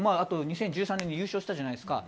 あと２０１３年に優勝したじゃないですか。